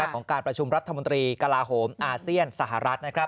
ของการประชุมรัฐมนตรีกลาโหมอาเซียนสหรัฐ